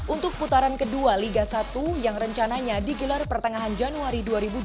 untuk putaran kedua liga satu yang rencananya digelar pertengahan januari dua ribu dua puluh